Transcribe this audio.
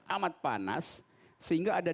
amat panas sehingga ada